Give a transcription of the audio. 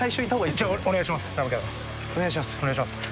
じゃお願いします。